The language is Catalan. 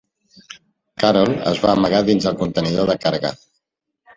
Carol es va amagar dins del contenidor de carga.